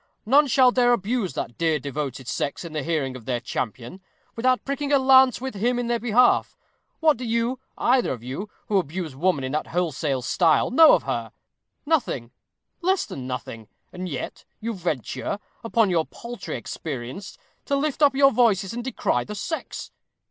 None shall dare abuse that dear devoted sex in the hearing of their champion, without pricking a lance with him in their behalf. What do you, either of you, who abuse woman in that wholesale style, know of her? Nothing less than nothing; and yet you venture, upon your paltry experience, to lift up your voices and decry the sex.